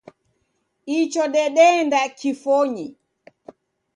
Icho dedeenda kifonyi